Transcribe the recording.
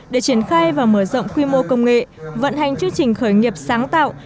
để triển khai và mở rộng quy mô công nghệ vận hành chương trình khởi nghiệp sáng tạo